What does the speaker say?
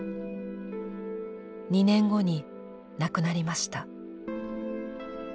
２年後に亡くなりました。